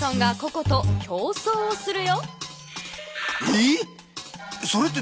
えっ？